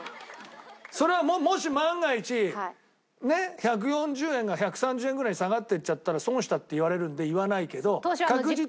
それはもし万が一ね１４０円が１３０円ぐらいに下がっていっちゃったら損したって言われるんで言わないけど。